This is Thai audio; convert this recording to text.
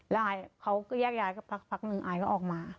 แล้วอายเขาก็แยกย้ายกันพักหนึ่งอายก็ออกมา